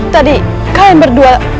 tadi kalian berdua